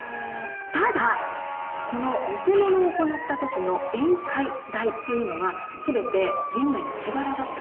ただこの見せものを行った時の宴会代というのは全て源内の自腹だったんですね。